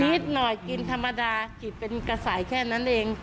นิดหน่อยกินธรรมดาจิตเป็นกระสายแค่นั้นเอง